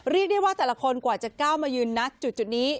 เรียกได้ว่าแต่ละคนกว่าจะก้าวมายืนนัดจุดนี้